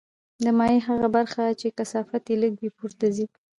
د مایع هغه برخه چې کثافت یې لږ وي پورته ځي.